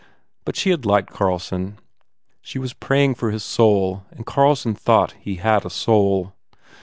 But she had liked Carlson. She was praying for his soul and Carlson thought he had a soul.